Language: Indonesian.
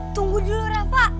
tunggu dulu rafa